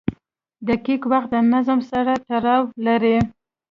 • دقیق وخت د نظم سره تړاو لري.